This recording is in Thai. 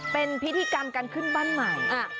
เป็นพิธีกรรมการขึ้นบ้านใหม่